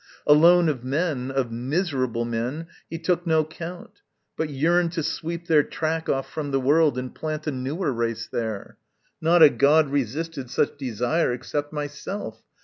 Alone of men, Of miserable men, he took no count, But yearned to sweep their track off from the world And plant a newer race there. Not a god Resisted such desire except myself.